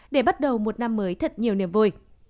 để bắt đầu một năm mới thật nhiều niềm vui